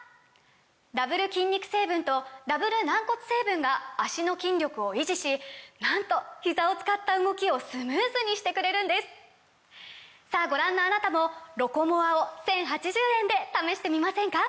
ダブル筋肉成分とダブル軟骨成分が脚の筋力を維持しなんとひざを使った動きをスムーズにしてくれるんですさぁご覧のあなたも「ロコモア」を１，０８０円で試してみませんか！